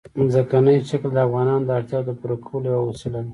ځمکنی شکل د افغانانو د اړتیاوو د پوره کولو یوه وسیله ده.